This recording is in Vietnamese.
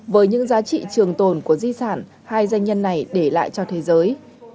với những giá trị trường tồn của di sản hai doanh nhân này để lại cho thế giới